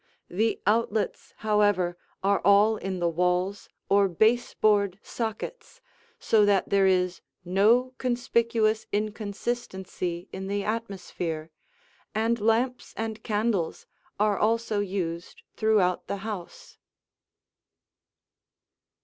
The outlets, however, are all in the walls or baseboard sockets, so that there is no conspicuous inconsistency in the atmosphere, and lamps and candles are also used throughout the house.